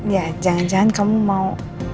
ya jangan jangan kamu mau